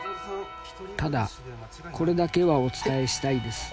ただこれだけはお伝えしたいです」。